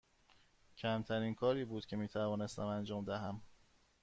کمترین کاری بود که می توانستم انجام دهم.